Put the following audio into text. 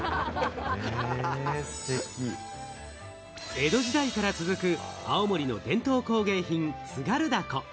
江戸時代から続く青森の伝統工芸品・津軽凧。